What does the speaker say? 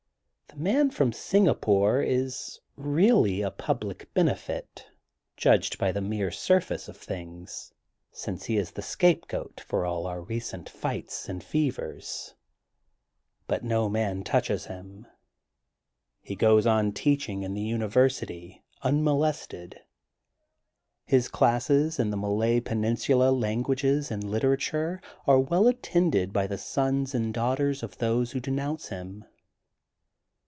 '' The man from Singapore is really a public benefit judged by the mere surface of things, since he is the scapegoat for all our recent fights and fevers. But no man touches him. He goes on teaching in the University, un molested. His classes in the Malay Peninsula languages and literature are well attended by the sons and daughters of those who denounce him.